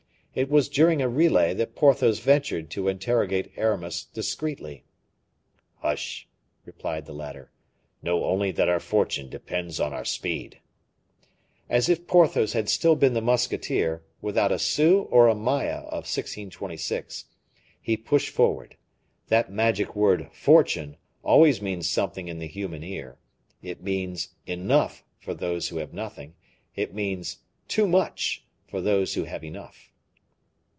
It was during a relay that Porthos ventured to interrogate Aramis discreetly. "Hush!" replied the latter, "know only that our fortune depends on our speed." As if Porthos had still been the musketeer, without a sou or a maille of 1626, he pushed forward. That magic word "fortune" always means something in the human ear. It means enough for those who have nothing; it means too much for those who have enough.